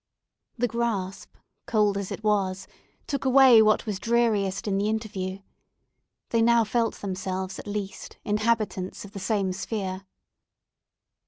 The grasp, cold as it was, took away what was dreariest in the interview. They now felt themselves, at least, inhabitants of the same sphere.